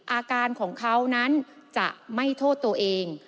อาการของเขานั้นจะไม่โทษตัวเอง